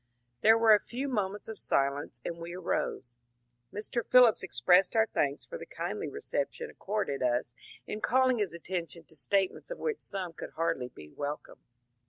There were a few moments of silence, and we arose. Mr. Phillips expressed our thanks for the kindly reception ac corded us in calling his attention to statements of which some could hardly be welcome.